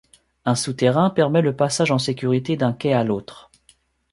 Un souterrain permet le passage en sécurité d'un quai à l'autre.